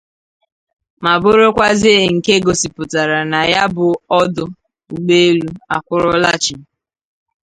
ma bụrụkwazie nke gosipụtara na ya bụ ọdụ ụgbọelu akwụrụla chịm